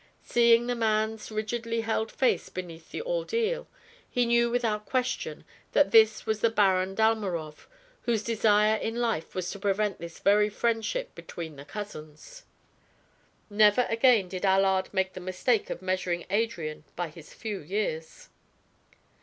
Seeing the man's rigidly held face beneath the ordeal, he knew without question that this was the Baron Dalmorov whose desire in life was to prevent this very friendship between the cousins. Never again did Allard make the mistake of measuring Adrian by his few years.